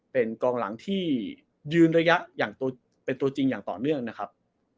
เป็นกองหลังที่ยืนระยะอย่างเป็นตัวจริงอย่างต่อเนื่องนะครับ